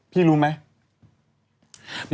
พี่รู้ไหม